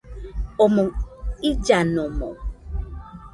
Omoɨ illanomo